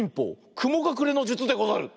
くもがくれのじゅつでござる！